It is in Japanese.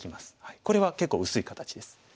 これは結構薄い形です。